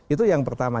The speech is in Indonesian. itu yang pertama